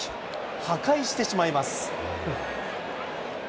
破壊してしまいます。